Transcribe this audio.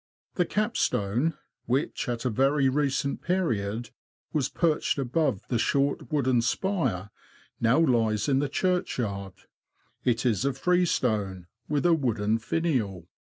The capstone, which, at a very recent period, was perched above a short wooden spire, now lies in the churchyard. It is of freestone, with a wooden finial.